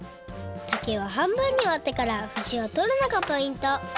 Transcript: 竹は半分にわってからふしをとるのがポイント